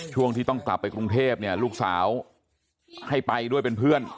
ช่วงที่ต้องกลับไปกรุงเทพเนี่ยลูกสาวให้ไปด้วยเป็นเพื่อน